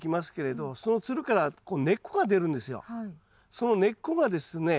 その根っこがですね